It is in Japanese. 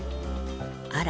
あら？